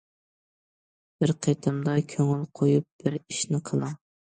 بىر قېتىمدا كۆڭۈل قويۇپ بىر ئىشنى قىلىڭ.